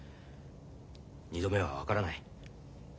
二度目は分からない。